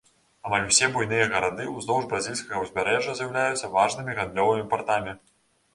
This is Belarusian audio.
Амаль усе буйныя гарады ўздоўж бразільскага ўзбярэжжа з'яўляюцца важнымі гандлёвымі партамі.